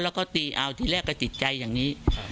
แล้วก็ตีเอาที่แรกก็ติดใจอย่างนี้